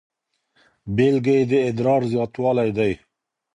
بیلګې یې د ادرار زیاتوالی دی.